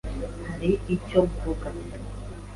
Hariho icyo mvuga.